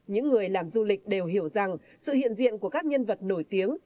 những người làm du lịch đều hiểu rằng sự hiện diện của các nhân vật nổi tiếng